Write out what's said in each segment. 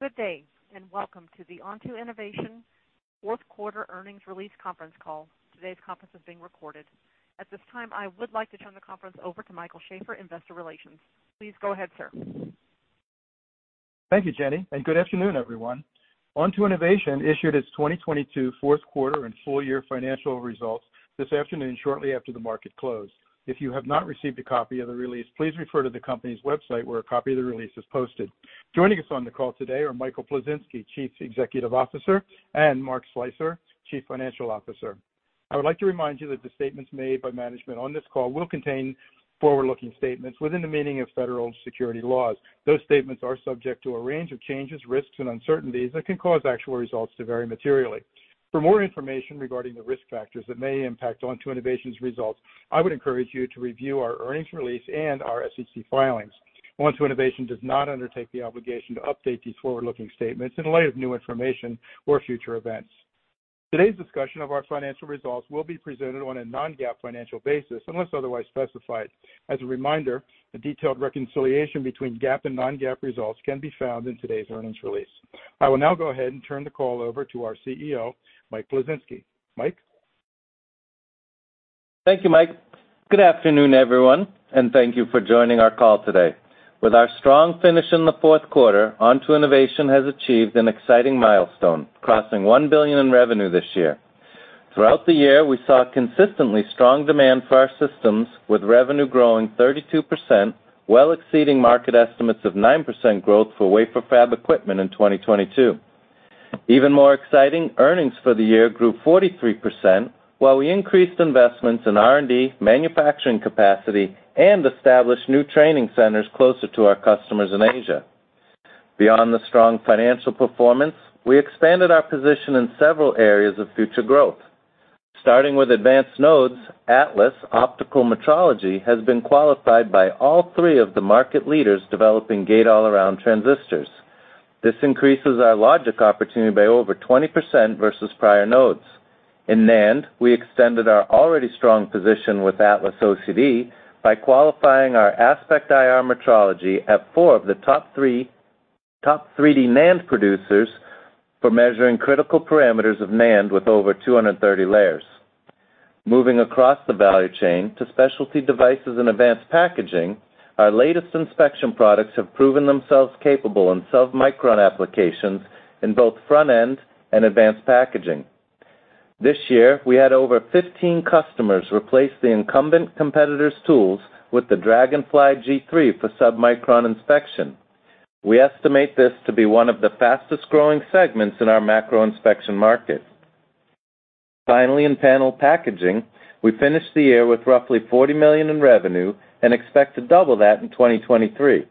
Good day, welcome to the Onto Innovation Q4 earnings release conference call. Today's conference is being recorded. At this time, I would like to turn the conference over to Michael Sheaffer, Investor Relations. Please go ahead, sir. Thank you, Jenny. Good afternoon, everyone. Onto Innovation issued its 2022 Q4 and full year financial results this afternoon shortly after the market closed. If you have not received a copy of the release, please refer to the company's website, where a copy of the release is posted. Joining us on the call today are Michael Plisinski, Chief Executive Officer, and Mark Slicer, Chief Financial Officer. I would like to remind you that the statements made by management on this call will contain forward-looking statements within the meaning of Federal security laws. Those statements are subject to a range of changes, risks, and uncertainties that can cause actual results to vary materially. For more information regarding the risk factors that may impact Onto Innovation's results, I would encourage you to review our earnings release and our SEC filings. Onto Innovation does not undertake the obligation to update these forward-looking statements in light of new information or future events. Today's discussion of our financial results will be presented on a non-GAAP financial basis, unless otherwise specified. As a reminder, a detailed reconciliation between GAAP and non-GAAP results can be found in today's earnings release. I will now go ahead and turn the call over to our CEO, Mike Plisinski. Mike? Thank you, Mike. Good afternoon, everyone, and thank you for joining our call today. With our strong finish in the Q4, Onto Innovation has achieved an exciting milestone, crossing $1 billion in revenue this year. Throughout the year, we saw consistently strong demand for our systems, with revenue growing 32%, well exceeding market estimates of 9% growth for wafer fab equipment in 2022. Even more exciting, earnings for the year grew 43% while we increased investments in R&D, manufacturing capacity, and established new training centers closer to our customers in Asia. Beyond the strong financial performance, we expanded our position in several areas of future growth. Starting with advanced nodes, Atlas optical metrology has been qualified by all three of the market leaders developing Gate-All-Around transistors. This increases our logic opportunity by over 20% versus prior nodes. In NAND, we extended our already strong position with Atlas OCD by qualifying our Aspect IR metrology at top three NAND producers for measuring critical parameters of NAND with over 230 layers. Moving across the value chain to specialty devices and advanced packaging, our latest inspection products have proven themselves capable in submicron applications in both front-end and advanced packaging. This year, we had over 15 customers replace the incumbent competitors' tools with the Dragonfly G3 for submicron inspection. We estimate this to be one of the fastest-growing segments in our macro inspection market. In panel packaging, we finished the year with roughly $40 million in revenue and expect to double that in 2023.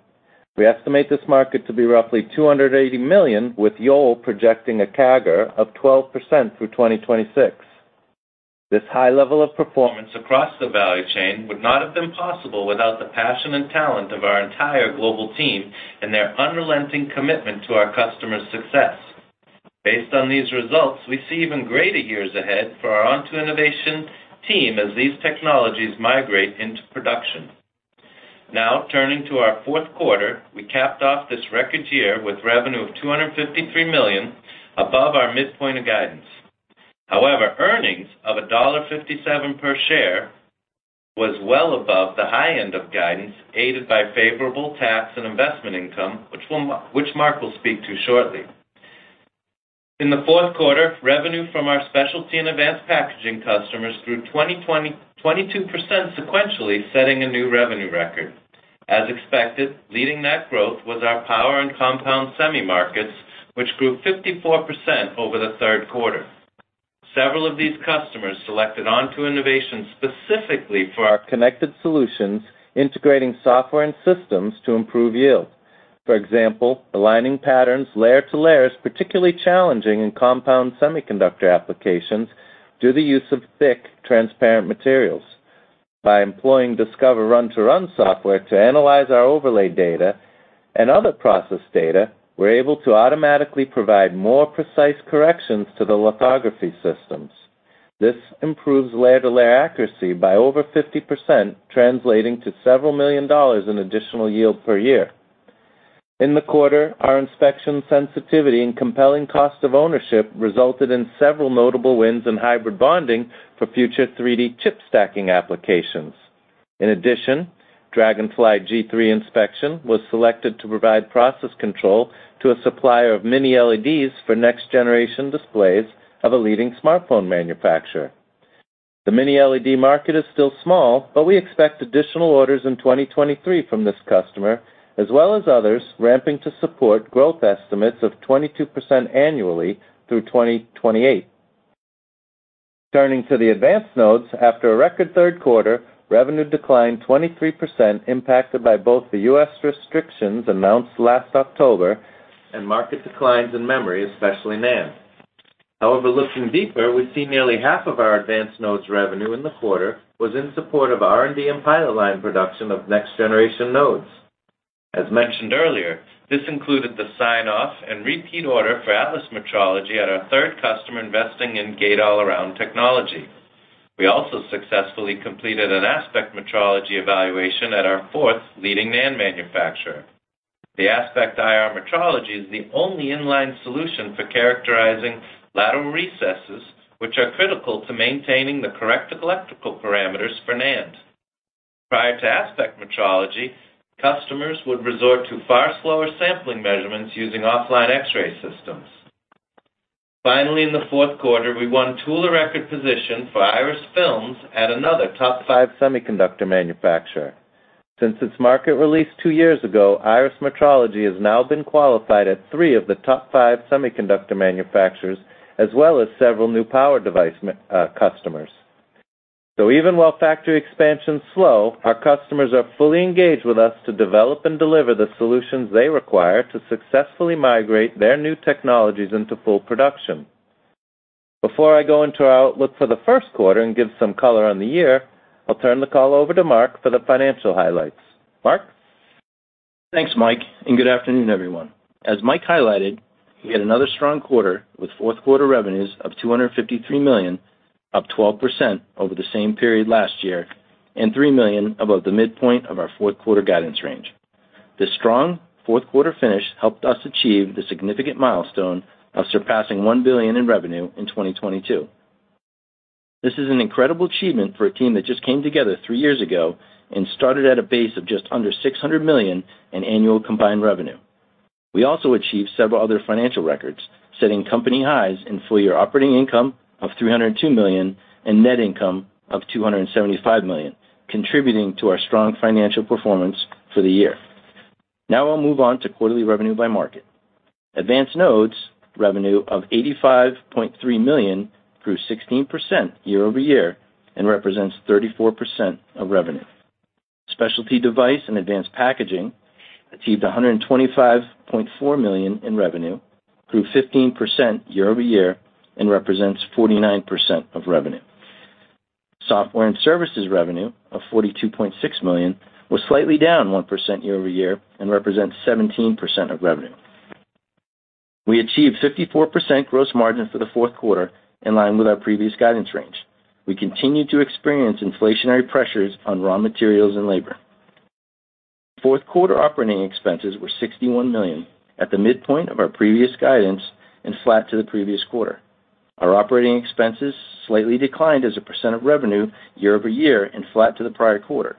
We estimate this market to be roughly $280 million, with Yole projecting a CAGR of 12% through 2026. This high level of performance across the value chain would not have been possible without the passion and talent of our entire global team and their unrelenting commitment to our customers' success. Based on these results, we see even greater years ahead for our Onto Innovation team as these technologies migrate into production. Turning to our Q4, we capped off this record year with revenue of $253 million above our midpoint of guidance. Earnings of $1.57 per share was well above the high end of guidance, aided by favorable tax and investment income, which Mark will speak to shortly. In the Q4, revenue from our specialty in advanced packaging customers grew 22% sequentially, setting a new revenue record. As expected, leading that growth was our power and compound semi markets, which grew 54% over the Q3. Several of these customers selected Onto Innovation specifically for our connected solutions, integrating software and systems to improve yield. For example, aligning patterns layer to layer is particularly challenging in compound semiconductor applications due to use of thick, transparent materials. By employing Discover Run-to-Run software to analyze our overlay data and other process data, we're able to automatically provide more precise corrections to the lithography systems. This improves layer to layer accuracy by over 50%, translating to several million dollars in additional yield per year. In the quarter, our inspection sensitivity and compelling cost of ownership resulted in several notable wins in hybrid bonding for future three-D chip stacking applications. In addition, Dragonfly G3 inspection was selected to provide process control to a supplier of Mini LEDs for next generation displays of a leading smartphone manufacturer. The Mini LED market is still small, but we expect additional orders in 2023 from this customer, as well as others ramping to support growth estimates of 22% annually through 2028. Turning to the advanced nodes, after a record Q3, revenue declined 23%, impacted by both the U.S. restrictions announced last October and market declines in memory, especially NAND. Looking deeper, we see nearly half of our advanced nodes revenue in the quarter was in support of R&D and pilot line production of next-generation nodes. As mentioned earlier, this included the sign-off and repeat order for Atlas metrology at our third customer investing in Gate-All-Around technology. We also successfully completed an Aspect metrology evaluation at our fourth leading NAND manufacturer. The Aspect IR metrology is the only in-line solution for characterizing lateral recesses, which are critical to maintaining the correct electrical parameters for NAND. Prior to Aspect metrology, customers would resort to far slower sampling measurements using offline X-ray systems. Finally, in the Q4, we won tool a record position for Iris films at another top five semiconductor manufacturer. Since its market release 2 years ago, Iris metrology has now been qualified at 3 of the top five semiconductor manufacturers as well as several new power device customers. Even while factory expansions slow, our customers are fully engaged with us to develop and deliver the solutions they require to successfully migrate their new technologies into full production. Before I go into our outlook for the Q1 and give some color on the year, I'll turn the call over to Mark for the financial highlights. Mark? Thanks, Mike. Good afternoon, everyone. As Mike highlighted, we had another strong quarter with Q4 revenues of $253 million, up 12% over the same period last year, and $3 million above the midpoint of our Q4 guidance range. This strong Q4 finish helped us achieve the significant milestone of surpassing $1 billion in revenue in 2022. This is an incredible achievement for a team that just came together three years ago and started at a base of just under $600 million in annual combined revenue. We also achieved several other financial records, setting company highs in full year operating income of $302 million and net income of $275 million, contributing to our strong financial performance for the year. Now I'll move on to quarterly revenue by market. Advanced Nodes revenue of $85.3 million grew 16% year-over-year and represents 34% of revenue. Specialty Device and Advanced Packaging achieved $125.4 million in revenue, grew 15% year-over-year, and represents 49% of revenue. Software and services revenue of $42.6 million was slightly down 1% year-over-year and represents 17% of revenue. We achieved 54% gross margin for the Q4, in line with our previous guidance range. We continue to experience inflationary pressures on raw materials and labor. Q4 operating expenses were $61 million at the midpoint of our previous guidance and flat to the previous quarter. Our operating expenses slightly declined as a percent of revenue year-over-year and flat to the prior quarter.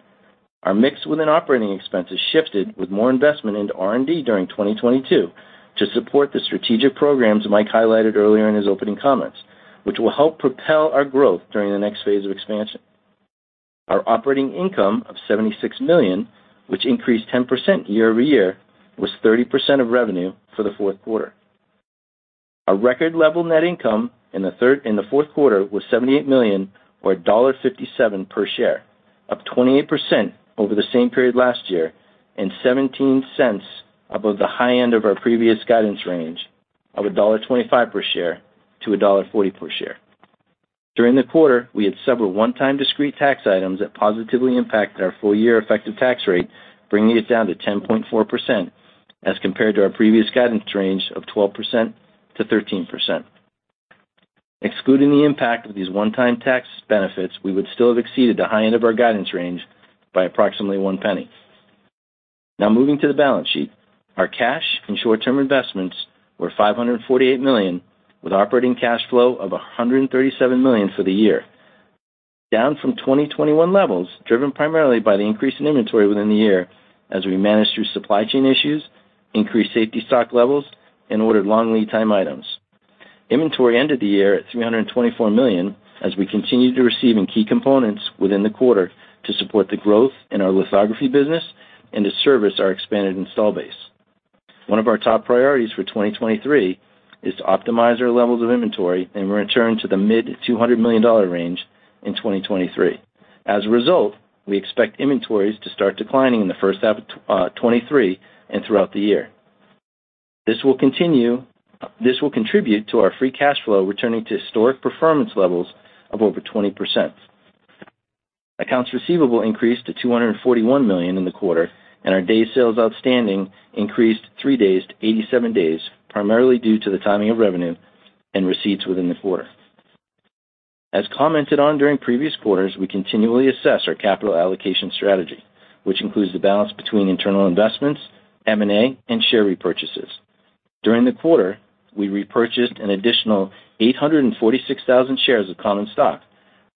Our mix within operating expenses shifted with more investment into R&D during 2022 to support the strategic programs Mike highlighted earlier in his opening comments, which will help propel our growth during the next phase of expansion. Our operating income of $76 million, which increased 10% year-over-year, was 30% of revenue for the Q4. Our record level net income in the Q4 was $78 million or $1.57 per share, up 28% over the same period last year. Seventeen cents above the high end of our previous guidance range of $1.25 per share-$1.40 per share. During the quarter, we had several one-time discrete tax items that positively impacted our full year effective tax rate, bringing it down to 10.4% as compared to our previous guidance range of 12%-13%. Excluding the impact of these one-time tax benefits, we would still have exceeded the high end of our guidance range by approximately $0.01. Now moving to the balance sheet. Our cash and short-term investments were $548 million, with operating cash flow of $137 million for the year, down from 2021 levels, driven primarily by the increase in inventory within the year as we managed through supply chain issues, increased safety stock levels, and ordered long lead time items. Inventory ended the year at $324 million as we continued to receive in key components within the quarter to support the growth in our lithography business and to service our expanded install base. One of our top priorities for 2023 is to optimize our levels of inventory and return to the mid $200 million range in 2023. As a result, we expect inventories to start declining in the first half of 2023 and throughout the year. This will contribute to our free cash flow returning to historic performance levels of over 20%. Accounts receivable increased to $241 million in the quarter, and our day sales outstanding increased 3 days to 87 days, primarily due to the timing of revenue and receipts within the quarter. As commented on during previous quarters, we continually assess our capital allocation strategy, which includes the balance between internal investments, M&A, and share repurchases. During the quarter, we repurchased an additional 846,000 shares of common stock,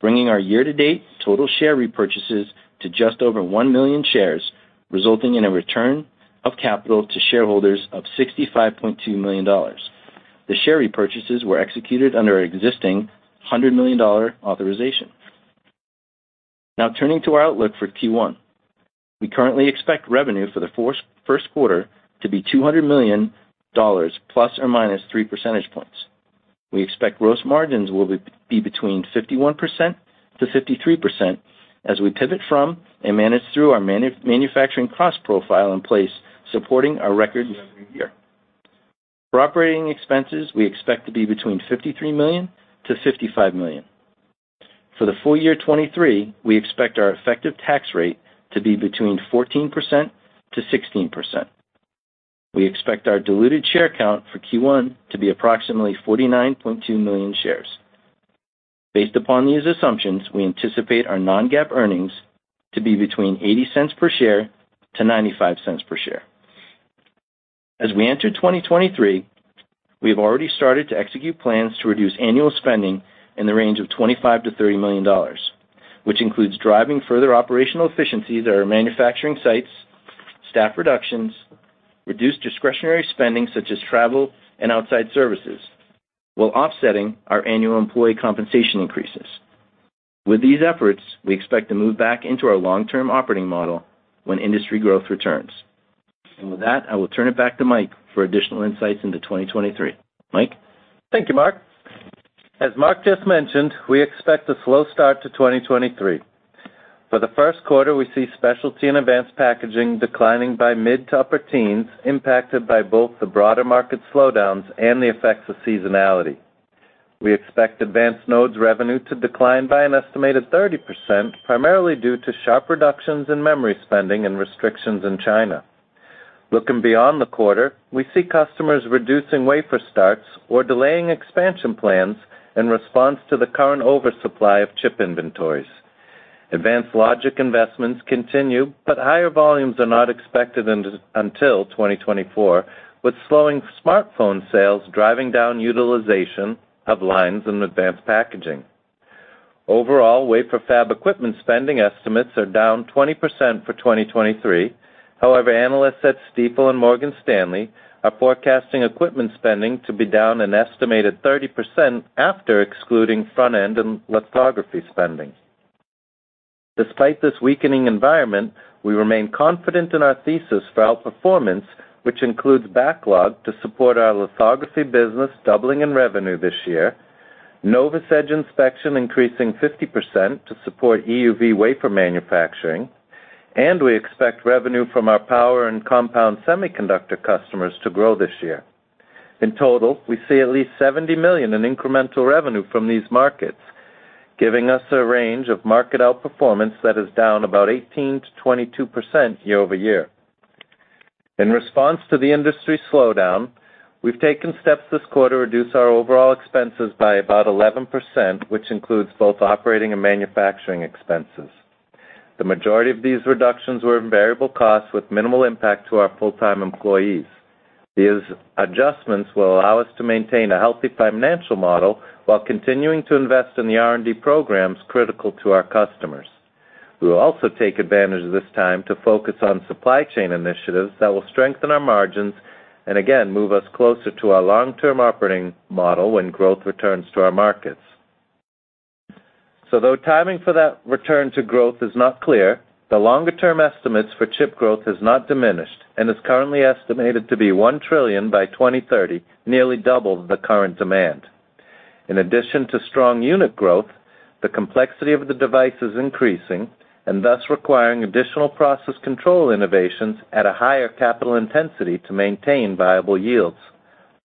bringing our year to date total share repurchases to just over 1 million shares, resulting in a return of capital to shareholders of $65.2 million. The share repurchases were executed under our existing $100 million authorization. Turning to our outlook for Q1. We currently expect revenue for the Q1 to be $200 million ±3 percentage points. We expect gross margins will be between 51%-53% as we pivot from and manage through our manufacturing cost profile in place, supporting our record revenue year. For operating expenses, we expect to be between $53 million-$55 million. For the full year 2023, we expect our effective tax rate to be between 14%-16%. We expect our diluted share count for Q1 to be approximately 49.2 million shares. Based upon these assumptions, we anticipate our non-GAAP earnings to be between $0.80 per share-$0.95 per share. As we enter 2023, we have already started to execute plans to reduce annual spending in the range of $25 million-$30 million, which includes driving further operational efficiencies at our manufacturing sites, staff reductions, reduced discretionary spending such as travel and outside services, while offsetting our annual employee compensation increases. With these efforts, we expect to move back into our long-term operating model when industry growth returns. With that, I will turn it back to Mike for additional insights into 2023. Mike? Thank you, Mark. As Mark just mentioned, we expect a slow start to 2023. For the Q1, we see specialty and advanced packaging declining by mid to upper teens, impacted by both the broader market slowdowns and the effects of seasonality. We expect advanced nodes revenue to decline by an estimated 30%, primarily due to sharp reductions in memory spending and restrictions in China. Looking beyond the quarter, we see customers reducing wafer starts or delaying expansion plans in response to the current oversupply of chip inventories. Advanced logic investments continue, higher volumes are not expected until 2024, with slowing smartphone sales driving down utilization of lines in advanced packaging. Overall, wafer fab equipment spending estimates are down 20% for 2023. Analysts at Stifel and Morgan Stanley are forecasting equipment spending to be down an estimated 30% after excluding front-end and lithography spending. Despite this weakening environment, we remain confident in our thesis for outperformance, which includes backlog to support our lithography business doubling in revenue this year, Novis Edge inspection increasing 50% to support EUV wafer manufacturing, and we expect revenue from our power and compound semiconductor customers to grow this year. In total, we see at least $70 million in incremental revenue from these markets, giving us a range of market outperformance that is down about 18%-22% year-over-year. In response to the industry slowdown, we've taken steps this quarter to reduce our overall expenses by about 11%, which includes both operating and manufacturing expenses. The majority of these reductions were in variable costs with minimal impact to our full-time employees. These adjustments will allow us to maintain a healthy financial model while continuing to invest in the R&D programs critical to our customers. We will also take advantage of this time to focus on supply chain initiatives that will strengthen our margins, and again, move us closer to our long-term operating model when growth returns to our markets. Though timing for that return to growth is not clear, the longer-term estimates for chip growth has not diminished, and is currently estimated to be $1 trillion by 2030, nearly double the current demand. In addition to strong unit growth, the complexity of the device is increasing, and thus requiring additional process control innovations at a higher capital intensity to maintain viable yields.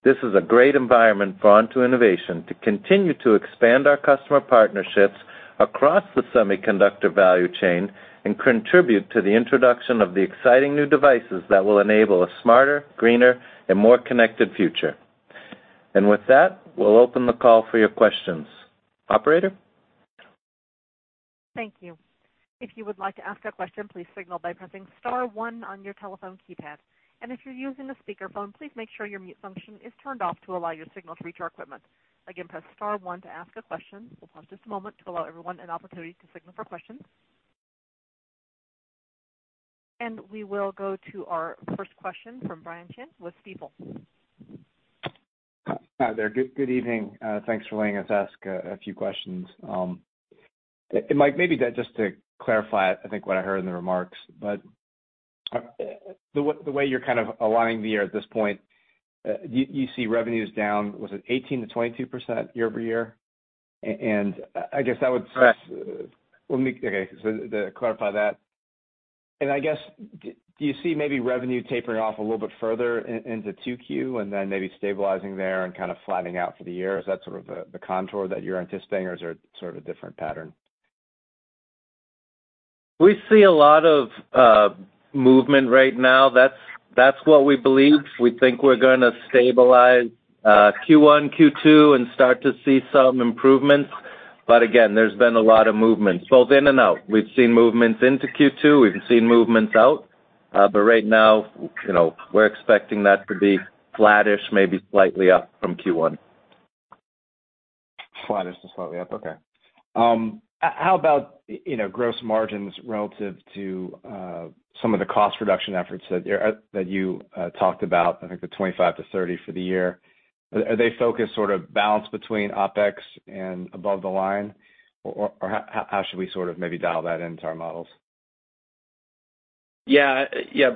This is a great environment for Onto Innovation to continue to expand our customer partnerships across the semiconductor value chain and contribute to the introduction of the exciting new devices that will enable a smarter, greener, and more connected future. With that, we'll open the call for your questions. Operator? Thank you. If you would like to ask a question, please signal by pressing star one on your telephone keypad. If you're using a speakerphone, please make sure your mute function is turned off to allow your signal to reach our equipment. Again, press star one to ask a question. We'll pause just a moment to allow everyone an opportunity to signal for questions. We will go to our first question from Brian Chin with Stifel. Hi there. Good evening. Thanks for letting us ask a few questions. Mike, maybe just to clarify, I think what I heard in the remarks, but the way you're kind of aligning the year at this point, you see revenues down, was it 18%-22% year-over-year? Correct. Okay. To clarify that. I guess, do you see maybe revenue tapering off a little bit further into 2Q, and then maybe stabilizing there and kind of flattening out for the year? Is that sort of the contour that you're anticipating, or is there sort of a different pattern? We see a lot of movement right now. That's what we believe. We think we're gonna stabilize Q1, Q2, and start to see some improvements. Again, there's been a lot of movement both in and out. We've seen movements into Q2, we've seen movements out. Right now, you know, we're expecting that to be flattish, maybe slightly up from Q1. Flattish to slightly up. Okay. How about, you know, gross margins relative to some of the cost reduction efforts that you talked about, I think the 25 to 30 for the year. Are they focused sort of balanced between OpEx and above the line? Or how should we sort of maybe dial that into our models? Yeah.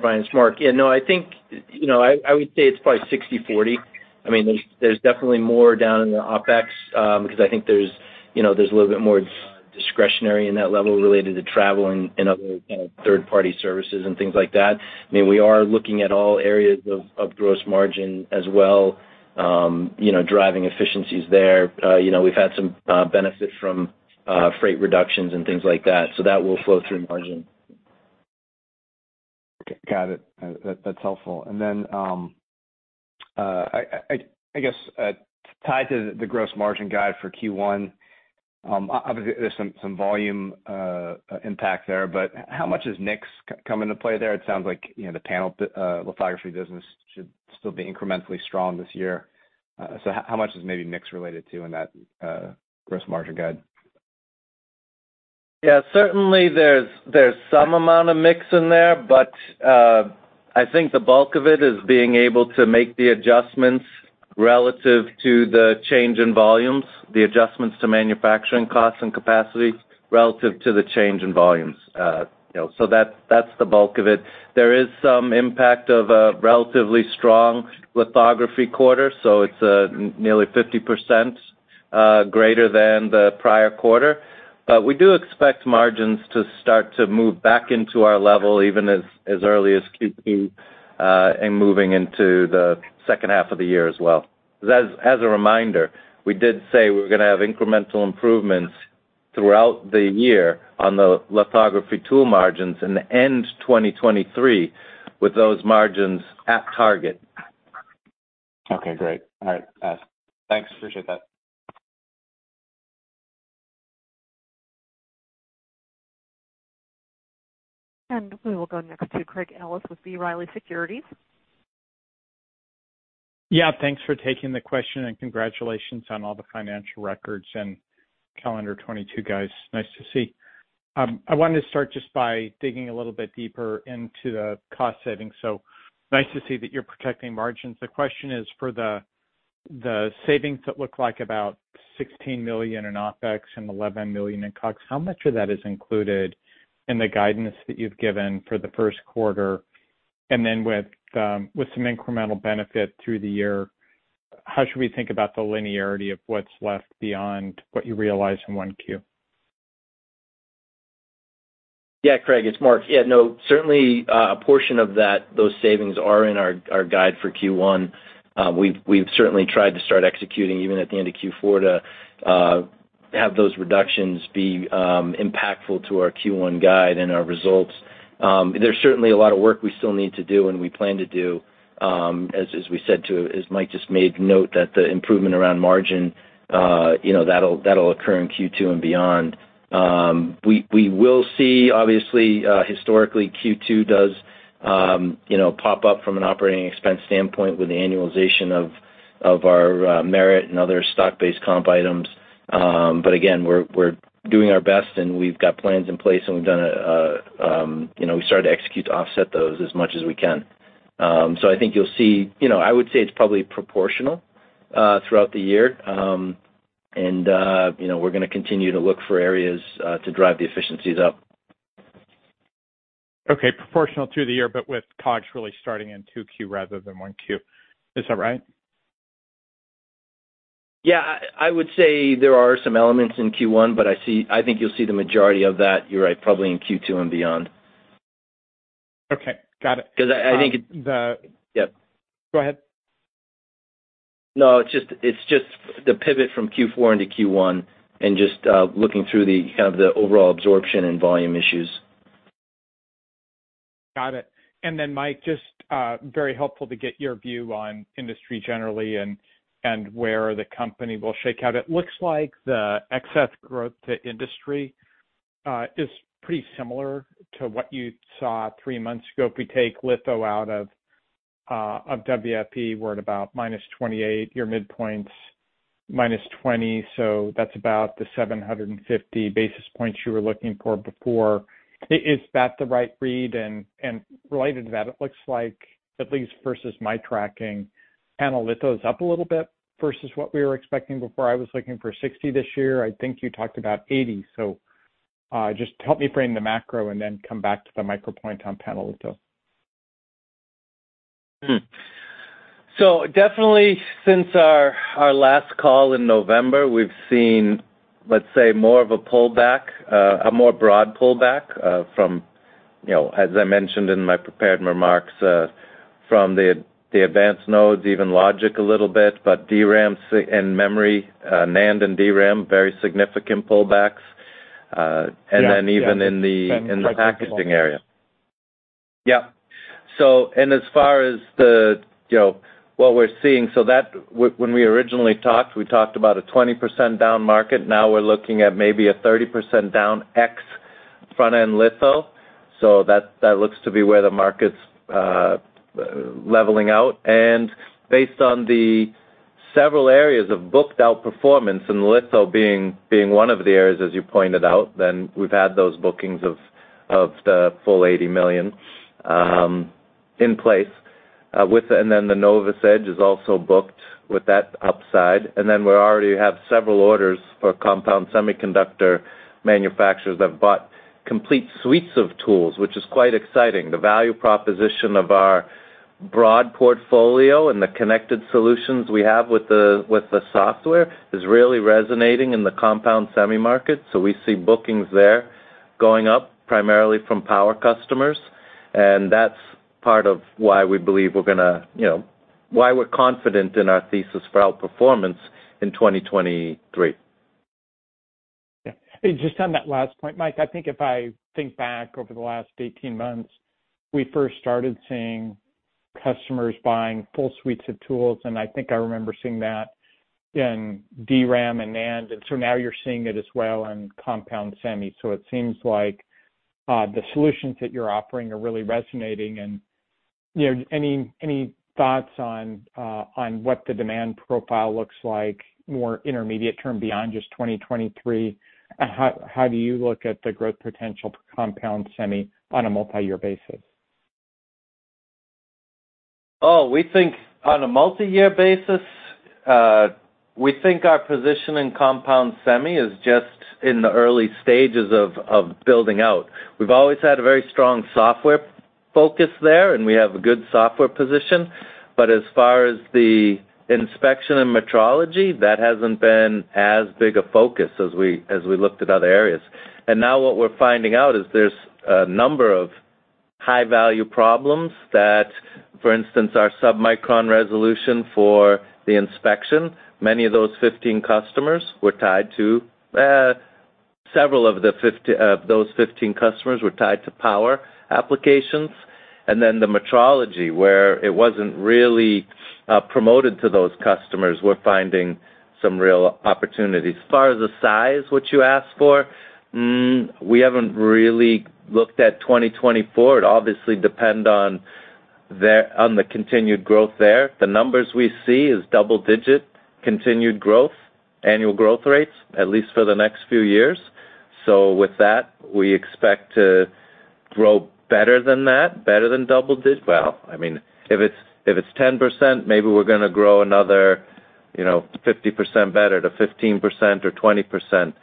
Brian, it's Mark. No, I think, you know, I would say it's probably 60/40. I mean, there's definitely more down in the OpEx, because I think there's, you know, there's a little bit more discretionary in that level related to travel and other kind of third-party services and things like that. I mean, we are looking at all areas of gross margin as well, you know, driving efficiencies there. You know, we've had some benefit from freight reductions and things like that, so that will flow through margin. Got it. That's helpful. Then, I guess, tied to the gross margin guide for Q1, obviously there's some volume impact there, but how much does mix come into play there? It sounds like, you know, the panel, lithography business should still be incrementally strong this year. How much is maybe mix related to in that gross margin guide? Yeah. Certainly there's some amount of mix in there, but, I think the bulk of it is being able to make the adjustments relative to the change in volumes, the adjustments to manufacturing costs and capacity relative to the change in volumes. You know, so that's the bulk of it. There is some impact of a relatively strong lithography quarter, so it's nearly 50% greater than the prior quarter. We do expect margins to start to move back into our level even as early as Q2, and moving into the second half of the year as well. A reminder, we did say we're gonna have incremental improvements throughout the year on the lithography tool margins and end 2023 with those margins at target. Okay, great. All right. thanks. Appreciate that. We will go next to Craig Ellis with B. Riley Securities. Yeah, thanks for taking the question, and congratulations on all the financial records in calendar 2022, guys. Nice to see. I wanted to start just by digging a little bit deeper into the cost savings. Nice to see that you're protecting margins. The question is for the savings that look like about $16 million in OpEx and $11 million in COGS, how much of that is included in the guidance that you've given for the Q1? Then with some incremental benefit through the year, how should we think about the linearity of what's left beyond what you realize in 1Q? Yeah. Craig, it's Mark. Yeah, no, certainly, a portion of that, those savings are in our guide for Q1. We've certainly tried to start executing even at the end of Q4 to have those reductions be impactful to our Q1 guide and our results. There's certainly a lot of work we still need to do and we plan to do, as Mike just made note that the improvement around margin, you know, that'll occur in Q2 and beyond. We will see obviously, historically Q2 does, you know, pop up from an operating expense standpoint with the annualization of our merit and other stock-based comp items. Again, we're doing our best, and we've got plans in place, and we've done a, you know, we started to execute to offset those as much as we can. I think you'll see. You know, I would say it's probably proportional throughout the year. You know, we're gonna continue to look for areas to drive the efficiencies up. Okay, proportional through the year, but with COGS really starting in two Q rather than one Q. Is that right? Yeah. I would say there are some elements in Q1. I think you'll see the majority of that, you're right, probably in Q2 and beyond. Okay. Got it. 'Cause I think. Yep. Go ahead. No, it's just the pivot from Q4 into Q1 and just looking through the kind of the overall absorption and volume issues. Got it. Mike, just, very helpful to get your view on industry generally and where the company will shake out. It looks like the excess growth to industry, is pretty similar to what you saw three months ago. If we take litho out of WFE, we're at about -28, your midpoint's -20, so that's about the 750 basis points you were looking for before. Is that the right read? And related to that, it looks like at least versus my tracking, panel litho's up a little bit versus what we were expecting before. I was looking for 60 this year. I think you talked about 80. Just help me frame the macro and then come back to the micro point on panel litho. Definitely since our last call in November, we've seen, let's say, more of a pullback, a more broad pullback, from, you know, as I mentioned in my prepared remarks, from the advanced nodes, even logic a little bit. DRAMs and memory, NAND and DRAM, very significant pullbacks. Yeah. even in. Thanks. In the packaging area. Yeah. As far as the, you know, what we're seeing, when we originally talked, we talked about a 20% down market. Now we're looking at maybe a 30% down ex front-end litho. That looks to be where the market's leveling out. Based on the several areas of booked out performance, and litho being one of the areas, as you pointed out, we've had those bookings of the full $80 million in place with. The Novis Edge is also booked with that upside. We already have several orders for compound semiconductor manufacturers that bought complete suites of tools, which is quite exciting. The value proposition of our broad portfolio and the connected solutions we have with the software is really resonating in the compound semi market. We see bookings there going up primarily from power customers. That's part of why we believe we're gonna, you know, why we're confident in our thesis for outperformance in 2023. Yeah. Just on that last point, Mike, I think, if I think back over the last 18 months, we first started seeing customers buying full suites of tools, and I think I remember seeing that in DRAM and NAND. Now you're seeing it as well in compound semi. So it seems like the solutions that you're offering are really resonating and, you know, any thoughts on what the demand profile looks like more intermediate term beyond just 2023? How do you look at the growth potential for compound semi on a multi-year basis? We think on a multi-year basis, we think our position in compound semi is just in the early stages of building out. We've always had a very strong software focus there, and we have a good software position. As far as the inspection and metrology, that hasn't been as big a focus as we looked at other areas. Now what we're finding out is there's a number of high-value problems that, for instance, our submicron resolution for the inspection, many of those 15 customers were tied to several of those 15 customers were tied to power applications. Then the metrology, where it wasn't really promoted to those customers, we're finding some real opportunities. As far as the size, which you asked for, we haven't really looked at 2024. It obviously depend on the continued growth there. The numbers we see is double digit continued growth, annual growth rates, at least for the next few years. With that, we expect to grow better than that, better than Well, I mean, if it's, if it's 10%, maybe we're gonna grow another, you know, 50% better to 15% or 20%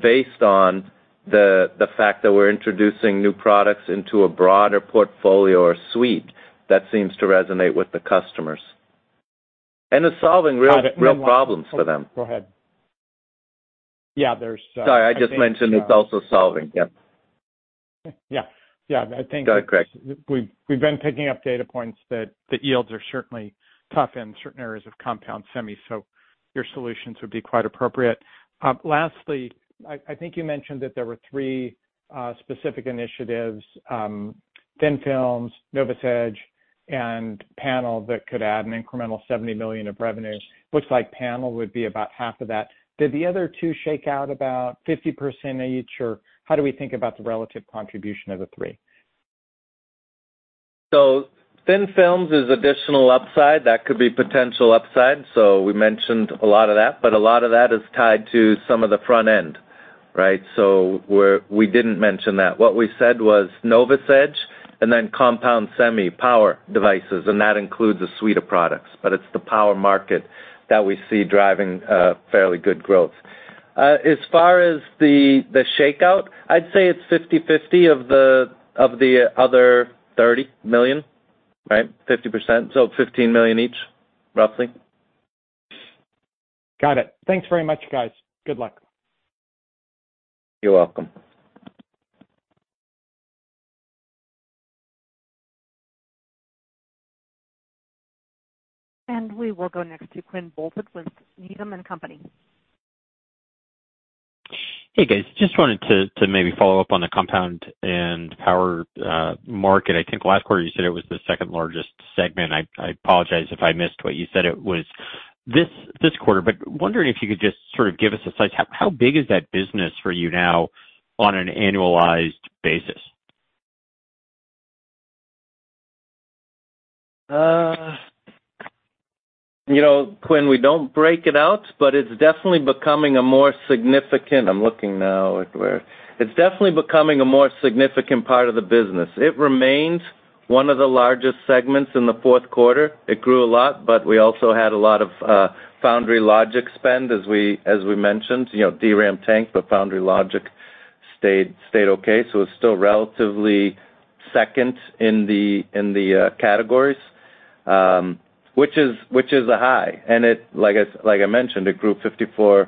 based on the fact that we're introducing new products into a broader portfolio or suite that seems to resonate with the customers. it's solving Got it. Real problems for them. Go ahead. Yeah, there's, I think, Sorry, I just mentioned it's also solving. Yeah. Yeah. Yeah. Go ahead, Craig. We've been picking up data points that the yields are certainly tough in certain areas of compound semi, so your solutions would be quite appropriate. Lastly, I think you mentioned that there were three specific initiatives, thin films, Novus Edge, and panel that could add an incremental $70 million of revenues. Looks like panel would be about half of that. Did the other two shake out about 50% each, or how do we think about the relative contribution of the three? Thin films is additional upside. That could be potential upside. We mentioned a lot of that, but a lot of that is tied to some of the front end, right? We didn't mention that. What we said was Novus Edge and then compound semi power devices, and that includes a suite of products, but it's the power market that we see driving fairly good growth. As far as the shakeout, I'd say it's 50/50 of the other $30 million, right? 50%, so $15 million each, roughly. Got it. Thanks very much, guys. Good luck. You're welcome. We will go next to Quinn Bolton with Needham & Company. Hey, guys. Just wanted to maybe follow up on the compound and power market. I think last quarter you said it was the second-largest segment. I apologize if I missed what you said it was this quarter, but wondering if you could just sort of give us a size. How big is that business for you now on an annualized basis? You know, Quinn, we don't break it out. It's definitely becoming a more significant part of the business. It remains one of the largest segments in the Q4. It grew a lot. We also had a lot of foundry logic spend, as we mentioned. You know, DRAM tanked. Foundry logic stayed okay. It's still relatively second in the categories, which is a high. Like I mentioned, it grew 54%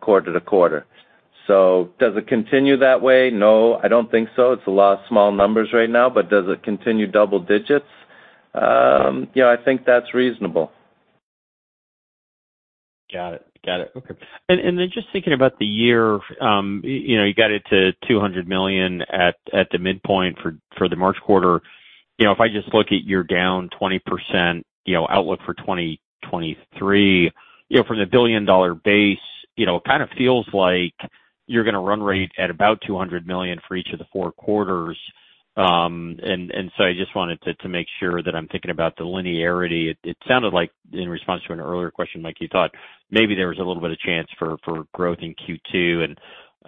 quarter to quarter. Does it continue that way? No, I don't think so. It's a lot of small numbers right now. Does it continue double digits? You know, I think that's reasonable. Got it. Got it. Okay. Then just thinking about the year, you know, you got it to $200 million at the midpoint for the March quarter. You know, if I just look at you're down 20%, you know, outlook for 2023, you know, from the billion-dollar base, you know, kind of feels like you're gonna run rate at about $200 million for each of the 4 quarters. So I just wanted to make sure that I'm thinking about the linearity. It sounded like in response to an earlier question, like you thought maybe there was a little bit of chance for growth in Q2.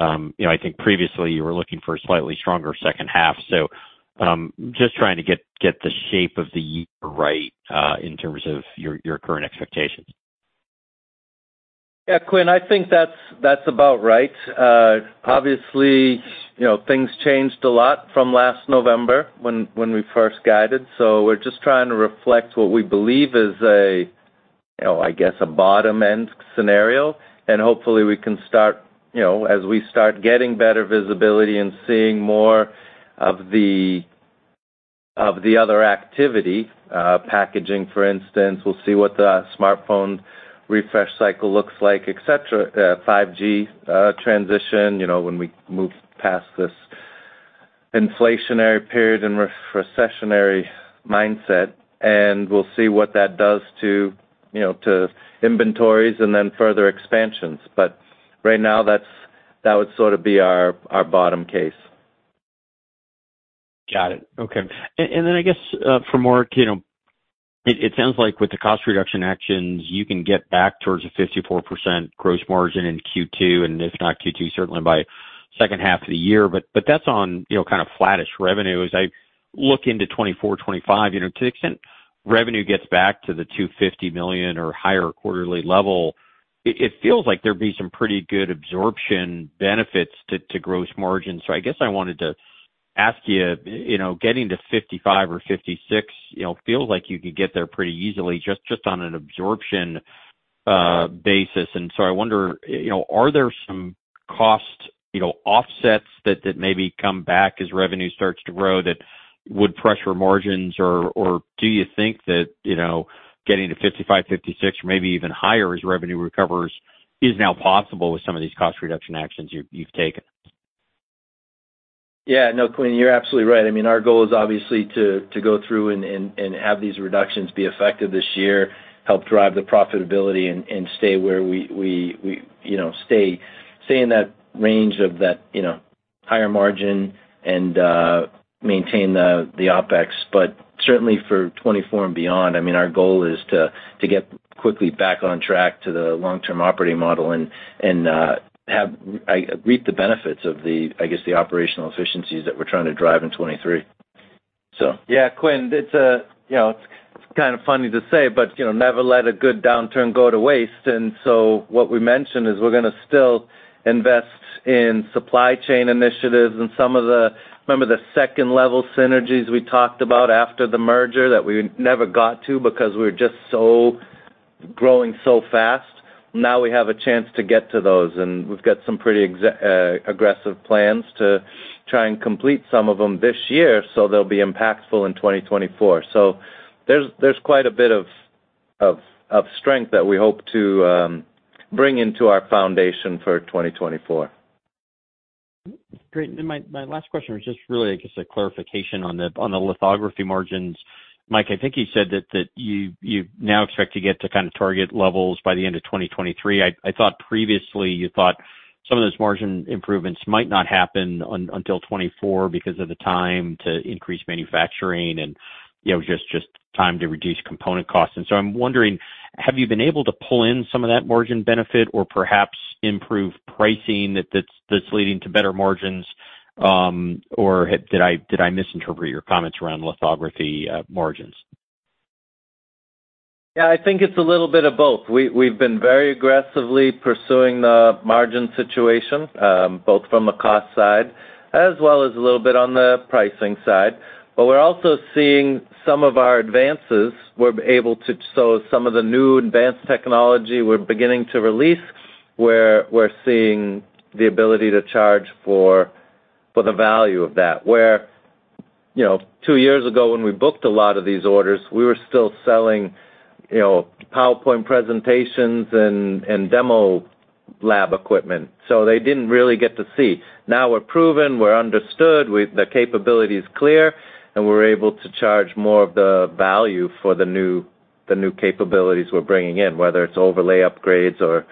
You know, I think previously you were looking for a slightly stronger second half. Just trying to get the shape of the year right, in terms of your current expectations. Yeah, Quinn, I think that's about right. Obviously, you know, things changed a lot from last November when we first guided, so we're just trying to reflect what we believe is a, you know, I guess a bottom-end scenario. Hopefully we can start, you know, as we start getting better visibility and seeing more of the other activity, packaging, for instance, we'll see what the smartphone refresh cycle looks like, et cetera. 5G transition, you know, when we move past this inflationary period and re-recessionary mindset, we'll see what that does to, you know, to inventories and then further expansions. Right now, that would sort of be our bottom case. Got it. Okay. I guess, for Mark, you know, it sounds like with the cost reduction actions, you can get back towards a 54% gross margin in Q2, and if not Q2, certainly by second half of the year. That's on, you know, kind of flattish revenues. I look into 2024, 2025, you know, to the extent revenue gets back to the $250 million or higher quarterly level, it feels like there'd be some pretty good absorption benefits to gross margins. I guess I wanted to ask you know, getting to 55% or 56%, you know, feels like you could get there pretty easily just on an absorption basis. I wonder, you know, are there some cost, you know, offsets that maybe come back as revenue starts to grow that would pressure margins or do you think that, you know, getting to 55%, 56%, maybe even higher as revenue recovers is now possible with some of these cost reduction actions you've taken? Yeah. No, Quinn, you're absolutely right. I mean, our goal is obviously to go through and have these reductions be effective this year, help drive the profitability and stay where we, you know, stay in that range of that, you know, higher margin and maintain the OpEx. Certainly for 2024 and beyond, I mean, our goal is to get quickly back on track to the long-term operating model and reap the benefits of the, I guess, the operational efficiencies that we're trying to drive in 2023. Yeah, Quinn, it's, you know, it's kind of funny to say, but, you know, never let a good downturn go to waste. What we mentioned is we're gonna still invest in supply chain initiatives and some of the... Remember the second-level synergies we talked about after the merger that we never got to because we were just growing so fast? Now we have a chance to get to those, and we've got some pretty aggressive plans to try and complete some of them this year, so they'll be impactful in 2024. There's, there's quite a bit of, of strength that we hope to bring into our foundation for 2024. Great. My, my last question was just really just a clarification on the, on the lithography margins. Mike, I think you said that you now expect to get to kind of target levels by the end of 2023. I thought previously you thought some of those margin improvements might not happen until 2024 because of the time to increase manufacturing and, you know, just time to reduce component costs. I'm wondering, have you been able to pull in some of that margin benefit or perhaps improve pricing that's leading to better margins, or did I misinterpret your comments around lithography margins? Yeah, I think it's a little bit of both. We've been very aggressively pursuing the margin situation, both from a cost side as well as a little bit on the pricing side. We're also seeing some of our advances, some of the new advanced technology we're beginning to release, we're seeing the ability to charge for the value of that. You know, two years ago when we booked a lot of these orders, we were still selling, you know, PowerPoint presentations and demo lab equipment, so they didn't really get to see. Now we're proven, we're understood, the capability is clear, and we're able to charge more of the value for the new capabilities we're bringing in, whether it's overlay upgrades or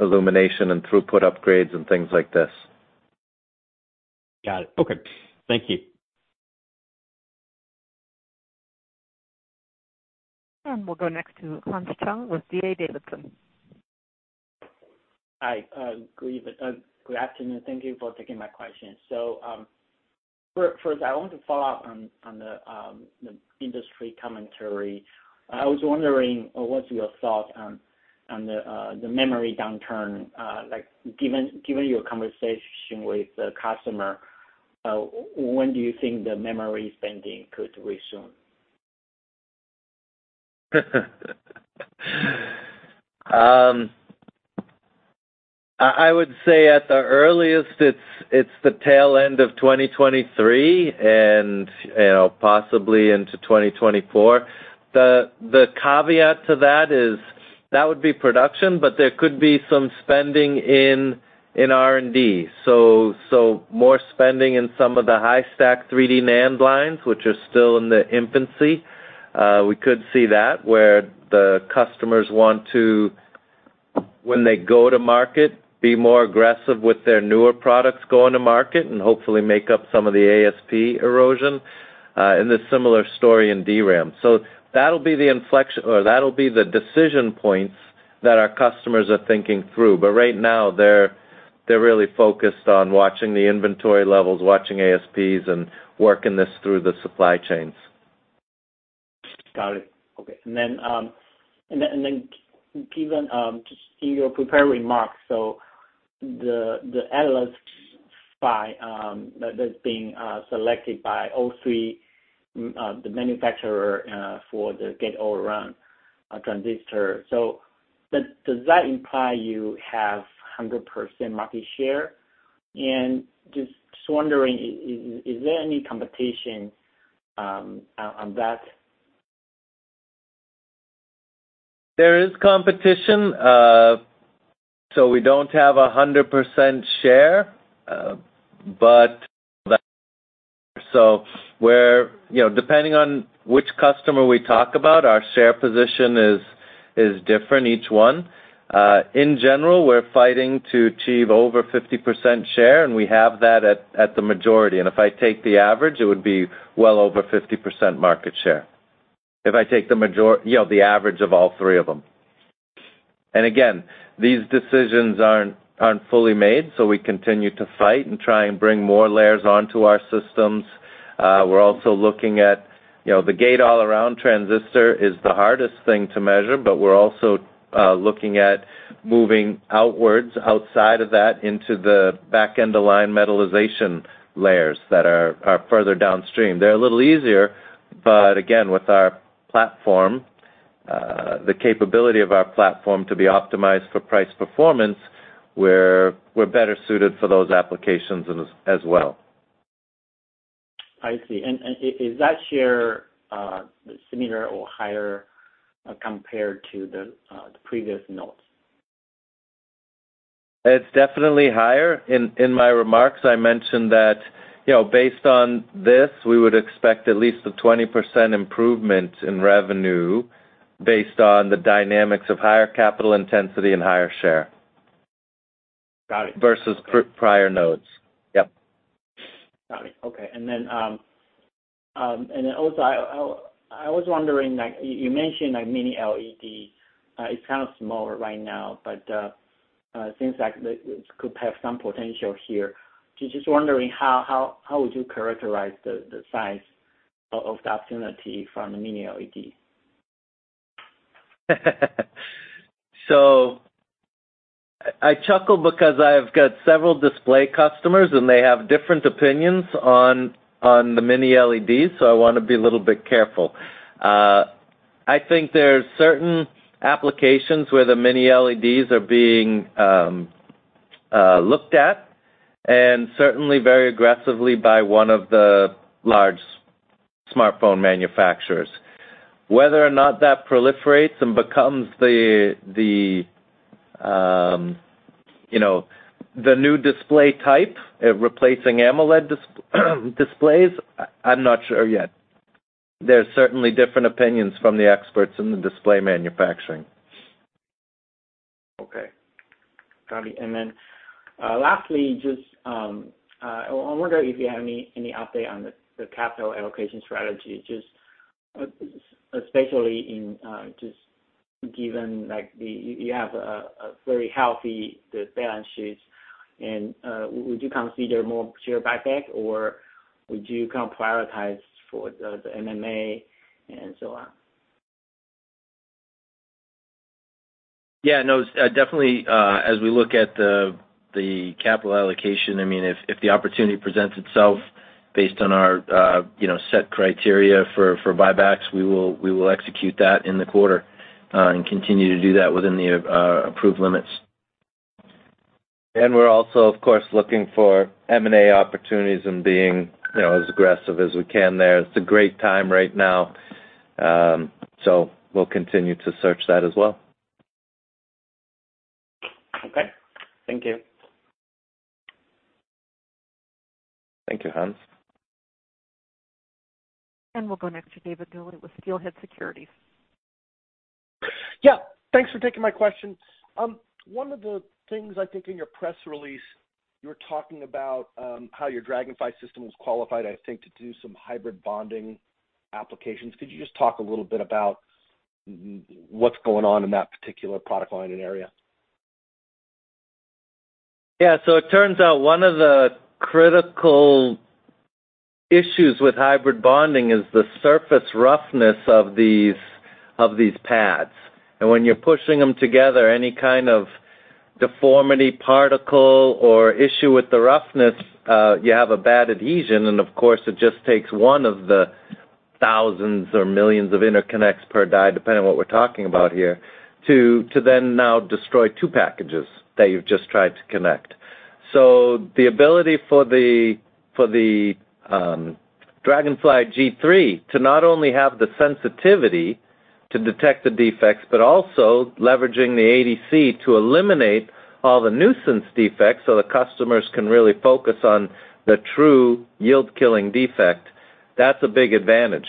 illumination and throughput upgrades and things like this. Got it. Okay. Thank you. We'll go next to Hans Chung with D.A. Davidson. Hi, Craig. Good afternoon. Thank you for taking my question. First, I want to follow up on the industry commentary. I was wondering what's your thought on the memory downturn, like, given your conversation with the customer, when do you think the memory spending could resume? I would say at the earliest it's the tail end of 2023 and, you know, possibly into 2024. The caveat to that is that would be production, but there could be some spending in R&D. More spending in some of the high stack 3D NAND lines, which are still in the infancy. We could see that where the customers want to, when they go to market, be more aggressive with their newer products going to market and hopefully make up some of the ASP erosion and a similar story in DRAM. That'll be the inflection or that'll be the decision points that our customers are thinking through. Right now, they're really focused on watching the inventory levels, watching ASPs, and working this through the supply chains. Got it. Okay. Given just in your prepared remarks, the Atlas V that's being selected by all three the manufacturer for the Gate-All-Around transistor. Does that imply you have 100% market share? Just wondering, is there any competition on that? There is competition. We don't have a 100% share, we're, you know, depending on which customer we talk about, our share position is different, each one. In general, we're fighting to achieve over 50% share, and we have that at the majority. If I take the average, it would be well over 50% market share. If I take, you know, the average of all three of them. Again, these decisions aren't fully made, so we continue to fight and try and bring more layers onto our systems. We're also looking at, you know, the Gate-All-Around transistor is the hardest thing to measure, but we're also looking at moving outwards, outside of that into the back-end align metallization layers that are further downstream. They're a little easier. Again, with our platform, the capability of our platform to be optimized for price performance, we're better suited for those applications as well. I see. Is that share similar or higher compared to the previous nodes? It's definitely higher. In my remarks, I mentioned that, you know, based on this, we would expect at least a 20% improvement in revenue based on the dynamics of higher capital intensity and higher share. Got it. Versus prior nodes. Yep. Got it. Okay. Also I was wondering, like, you mentioned like mini LED, it's kind of smaller right now, but, since like it could have some potential here. Just wondering how would you characterize the size of the opportunity from mini LED? I chuckle because I've got several display customers, and they have different opinions on the Mini LEDs, so I want to be a little bit careful. I think there are certain applications where the Mini LEDs are being looked at, and certainly very aggressively by one of the large smartphone manufacturers. Whether or not that proliferates and becomes the, you know, the new display type replacing AMOLED displays, I'm not sure yet. There's certainly different opinions from the experts in the display manufacturing. Okay. Got it. Lastly, just, I wonder if you have any update on the capital allocation strategy, especially given like you have a very healthy balance sheet, and would you consider more share buyback, or would you kind of prioritize for the M&A and so on? Yeah, no, definitely, as we look at the capital allocation, I mean, if the opportunity presents itself based on our, you know, set criteria for buybacks, we will execute that in the quarter, and continue to do that within the approved limits. We're also, of course, looking for M&A opportunities and being, you know, as aggressive as we can there. It's a great time right now. We'll continue to search that as well. Okay. Thank you. Thank you, Hans. We'll go next to David Duley with Steelhead Securities. Thanks for taking my question. One of the things I think in your press release, you were talking about, how your Dragonfly system was qualified, I think, to do some hybrid bonding applications. Could you just talk a little bit about what's going on in that particular product line and area? It turns out one of the critical issues with hybrid bonding is the surface roughness of these, of these pads. When you're pushing them together, any kind of deformity, particle, or issue with the roughness, you have a bad adhesion, and of course, it just takes one of the thousands or millions of interconnects per die, depending on what we're talking about here, to then now destroy two packages that you've just tried to connect. The ability for the Dragonfly G3 to not only have the sensitivity to detect the defects, but also leveraging the ADC to eliminate all the nuisance defects so the customers can really focus on the true yield-killing defect, that's a big advantage.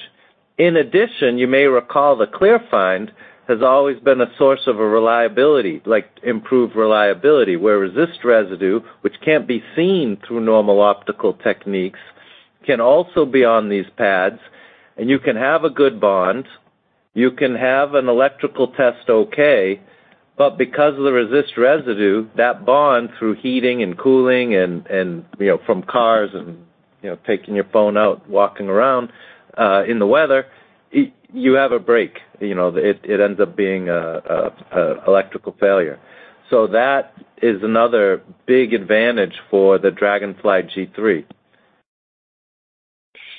In addition, you may recall the Clearfind has always been a source of a reliability, like improved reliability, where resist residue, which can't be seen through normal optical techniques, can also be on these pads, and you can have a good bond, you can have an electrical test okay, but because of the resist residue, that bond through heating and cooling and, you know, from cars and, you know, taking your phone out, walking around, in the weather, you have a break. You know, it ends up being a electrical failure. That is another big advantage for the Dragonfly G3.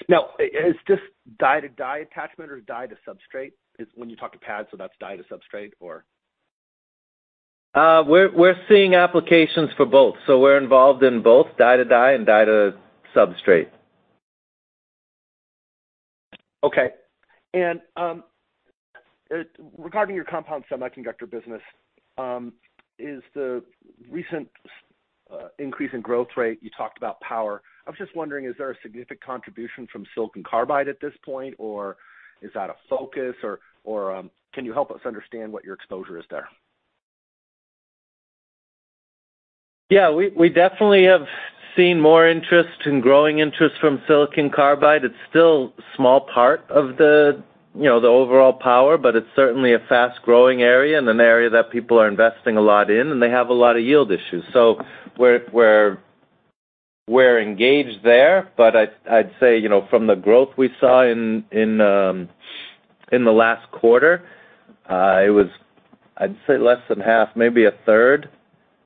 Now, is this die-to-die attachment or die to substrate is when you talk to pads? That's die to substrate or? We're seeing applications for both. We're involved in both die-to-die and die to substrate. Okay. regarding your compound semiconductor business, is the recent increase in growth rate, you talked about power. I was just wondering, is there a significant contribution from silicon carbide at this point, or is that a focus? Or, can you help us understand what your exposure is there? Yeah, we definitely have seen more interest in growing interest from silicon carbide. It's still small part of the, you know, the overall power, but it's certainly a fast-growing area and an area that people are investing a lot in, and they have a lot of yield issues. We're engaged there. I'd say, you know, from the growth we saw in the last quarter, it was, I'd say, less than half, maybe a third,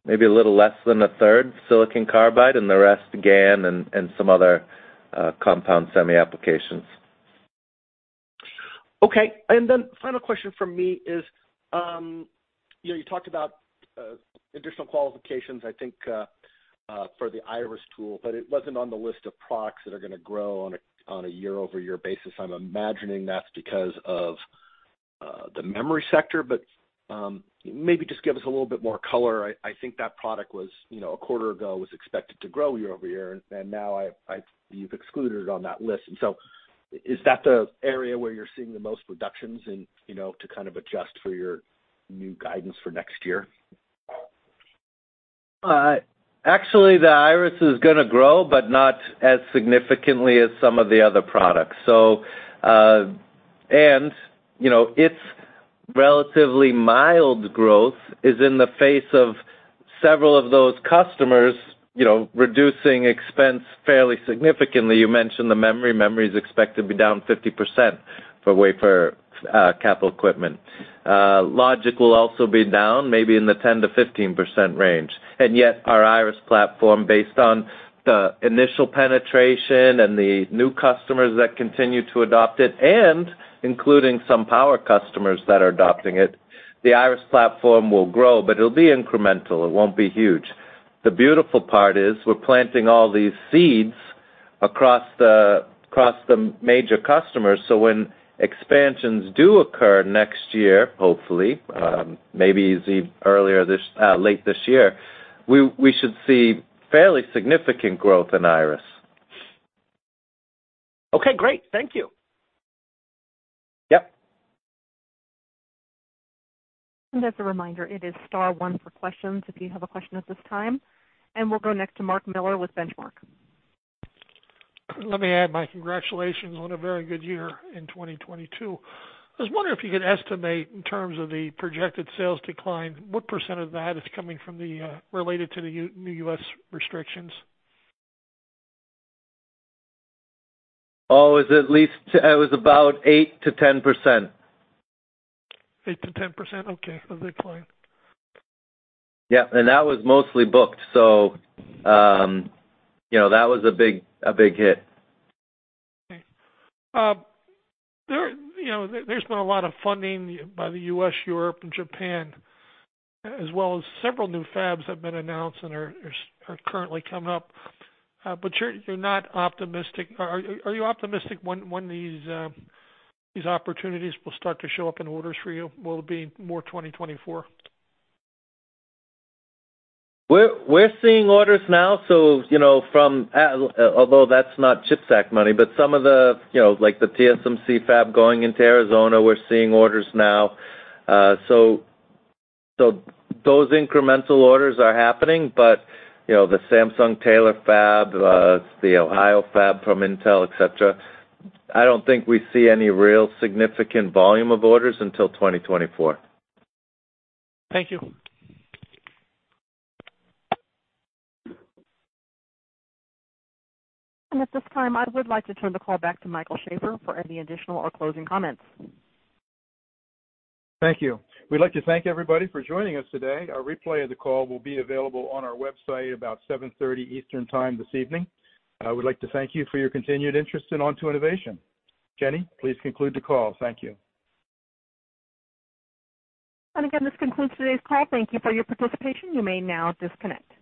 maybe a little less than a third silicon carbide and the rest GaN and some other compound semi applications. Okay. Final question from me is, you know, you talked about additional qualifications, I think, for the Iris, but it wasn't on the list of products that are gonna grow on a year-over-year basis. I'm imagining that's because of the memory sector. Maybe just give us a little bit more color. I think that product was, you know, a quarter ago, was expected to grow year-over-year, and now you've excluded it on that list. Is that the area where you're seeing the most reductions in, you know, to kind of adjust for your new guidance for next year? Actually, the Iris is gonna grow, but not as significantly as some of the other products. You know, it's relatively mild growth is in the face of several of those customers, you know, reducing expense fairly significantly. You mentioned the memory. Memory is expected to be down 50% for wafer capital equipment. Logic will also be down maybe in the 10%-15% range. Yet our Iris platform, based on the initial penetration and the new customers that continue to adopt it, and including some power customers that are adopting it, the Iris platform will grow, but it'll be incremental. It won't be huge. The beautiful part is we're planting all these seeds across the, across the major customers. When expansions do occur next year, hopefully, maybe easier earlier late this year, we should see fairly significant growth in Iris. Okay, great. Thank you. Yep. As a reminder, it is star one for questions if you have a question at this time. We'll go next to Mark Miller with Benchmark. Let me add my congratulations on a very good year in 2022. I was wondering if you could estimate, in terms of the projected sales decline, what % of that is coming from the related to the U.S. restrictions? Oh, it was about 8%-10%. 8%-10%? Okay. A big client. Yeah. And that was mostly booked. You know, that was a big hit. Okay. there, you know, there's been a lot of funding by the U.S., Europe and Japan, as well as several new fabs have been announced and are currently coming up. You're not optimistic. Are you optimistic when these opportunities will start to show up in orders for you? Will it be more 2024? We're seeing orders now, so, you know, from, although that's not CHIPS Act money, but some of the, you know, like the TSMC fab going into Arizona, we're seeing orders now. Those incremental orders are happening. You know, the Samsung Taylor fab, the Ohio fab from Intel, et cetera, I don't think we see any real significant volume of orders until 2024. Thank you. At this time, I would like to turn the call back to Michael Sheaffer for any additional or closing comments. Thank you. We'd like to thank everybody for joining us today. A replay of the call will be available on our website about 7:30 P.M. Eastern Time this evening. I would like to thank you for your continued interest in Onto Innovation. Jenny, please conclude the call. Thank you. Again, this concludes today's call. Thank you for your participation. You may now disconnect.